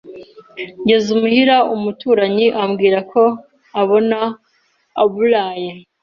”. Ngeze imuhira umuturanyi ambwira ko abona aburaye,